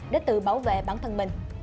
để tự bảo vệ bản thân mình